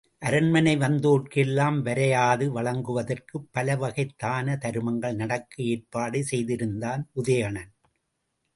அரண்மனை வந்தோர்க்கு எல்லாம் வரையாது வழங்குவதற்குப் பலவகைத் தான தருமங்கள் நடக்க ஏற்பாடு செய்திருந்தான் உதயணன்.